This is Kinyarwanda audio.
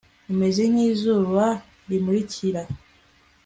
umeze nk'izuba rimurikira